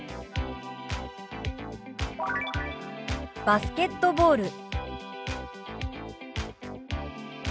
「バスケットボール」。